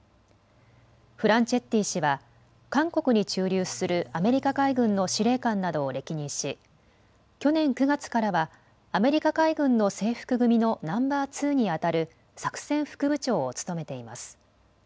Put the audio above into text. フランチェッティ氏は韓国に駐留するアメリカ海軍の司令官などを歴任し去年９月からはアメリカ海軍の制服組のナンバー２にあたる作戦副部長を務めています。